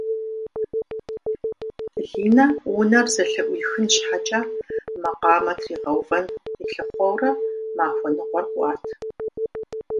Линэ унэр зэлъыӏуихын щхьэкӏэ макъамэ тригъувэн къилъыхъуэурэ махуэ ныкъуэр кӏуат.